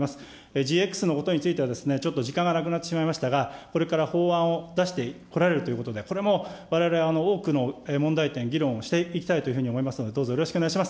ＧＸのことについては、ちょっと時間がなくなってしまいましたが、これから法案を出してこられるということで、これもわれわれ、多くの問題点、議論をしていきたいというふうに思いますので、どうぞよろしくお願いします。